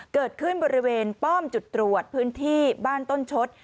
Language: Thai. เกิดขึ้นบริเวณป้อมจุดตรวจพื้นที่บ้านต้นชด